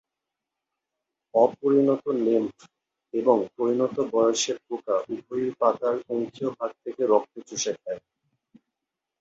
অপরিণত নিম্ফ এবং পরিণত বয়সের পোকা উভয়েই পাতার অঙ্কীয়ভাগ থেকে রস চুষে খায়।